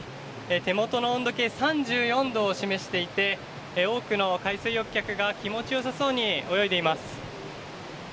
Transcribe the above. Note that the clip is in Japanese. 手元の温度計３４度を示していて多くの海水浴客が気持ち良さそうに泳いでいます。